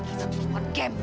ibu kamu gembek